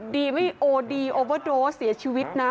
ดีไม่โอดีโอเวอร์โดสเสียชีวิตนะ